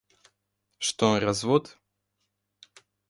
Что развод?